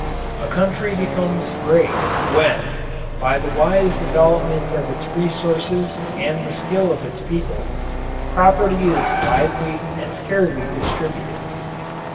A country becomes great when, by the wise development of its resources and the skill of its people, property is widely and fairly distributed.